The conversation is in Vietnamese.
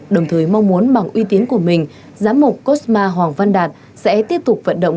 đồng thời mong muốn bằng uy tín của mình giám mục kosma hoàng văn đạt sẽ tiếp tục vận động